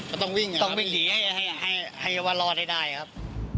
ก็ต้องวิ่งหลีให้วันรอดให้ได้ครับ